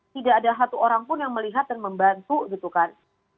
tidak ada satu orang pun yang melihat dan membantu gitu kan